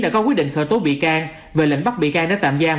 đã có quyết định khởi tố bị can về lệnh bắt bị can để tạm giam